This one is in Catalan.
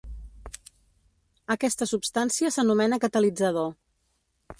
Aquesta substància s'anomena catalitzador.